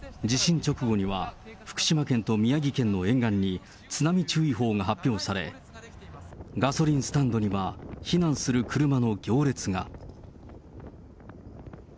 地震直後には、福島県と宮城県の沿岸に、津波注意報が発表され、ガソリンスタンドには避難する車の行列が。